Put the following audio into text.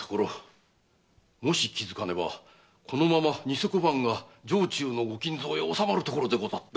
もし気づかねばこのまま偽小判が城中の御金蔵へ納まるところでござった。